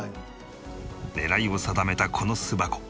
狙いを定めたこの巣箱。